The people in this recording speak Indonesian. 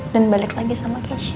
dan balik lagi sama keisha